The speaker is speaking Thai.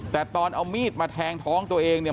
แต่ตอนเอามีดมาแทงท้องตัวเองเนี่ย